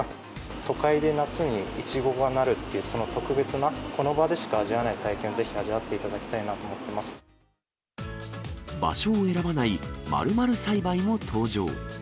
都会で夏にイチゴがなるって、その特別な、この場でしか味わえない体験をぜひ、味わっていただきたいなと思場所を選ばない○○栽培も登場。